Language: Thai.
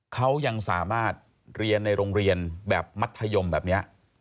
เขายังสามารถเรียนในโรงเรียนแบบมัธยมแบบนี้